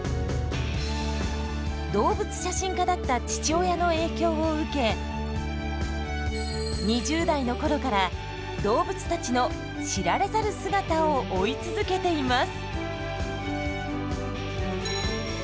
動物写真家だった父親の影響を受け２０代の頃から動物たちの知られざる姿を追い続けています。